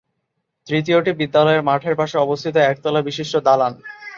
তৃতীয়টি বিদ্যালয়ের মাঠের পাশে অবস্থিত একতলা বিশিষ্ট দালান।